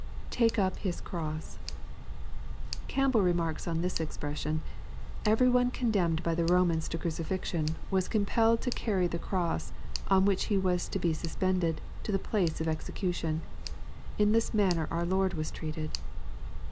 [Take up his cross,] Campbell remarks on this expression. " Every one condemned by the Romans to crucifixion, was com pelled to carry the cross, on which he was to be suspended, to the place of execution. In this manner our Lord was treated."